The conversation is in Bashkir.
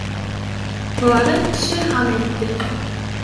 — Быларын Шер Хан әйтте.